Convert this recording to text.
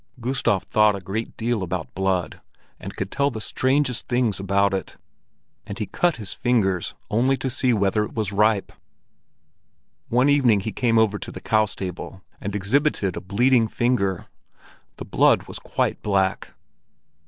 Gustav thought a great deal about blood, and could tell the strangest things about it; and he cut his fingers only to see whether it was ripe. One evening he came over to the cow stable and exhibited a bleeding finger. The blood was quite black.